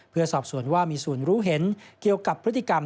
เพื่อสอบสวนว่ามีส่วนรู้เห็นเกี่ยวกับพฤติกรรม